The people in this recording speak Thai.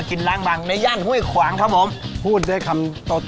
กบมีความกรอบมาก